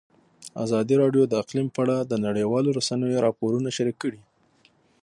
ازادي راډیو د اقلیم په اړه د نړیوالو رسنیو راپورونه شریک کړي.